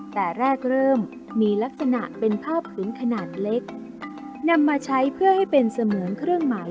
แต่แรกเริ่มมีลักษณะเป็นผ้าผืนขนาดเล็กนำมาใช้เพื่อให้เป็นเสมือนเครื่องหมาย